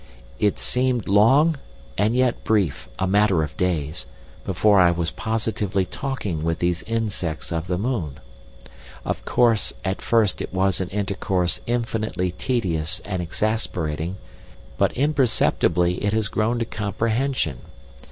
"It seemed long and yet brief—a matter of days—before I was positively talking with these insects of the moon. Of course, at first it was an intercourse infinitely tedious and exasperating, but imperceptibly it has grown to comprehension.